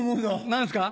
何ですか？